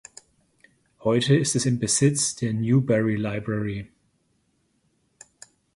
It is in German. Heute ist es im Besitz der Newberry Library.